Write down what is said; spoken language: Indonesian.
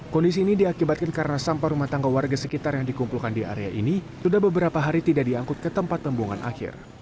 kondisi ini diakibatkan karena sampah rumah tangga warga sekitar yang dikumpulkan di area ini sudah beberapa hari tidak diangkut ke tempat pembuangan akhir